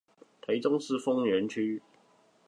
台中市豐原區